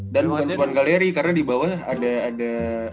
dan bukan cuman galeri karena di bawah ada ada